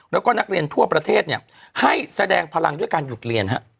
แล้วก็นักเรียนทั่วประเทศให้แสดงพลังด้วยการหยุดเรียน